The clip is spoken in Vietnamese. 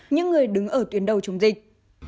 những người đứng ở tuyến đầu chống dịch